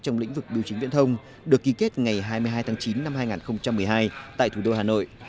trong lĩnh vực biểu chính viễn thông được ký kết ngày hai mươi hai tháng chín năm hai nghìn một mươi hai tại thủ đô hà nội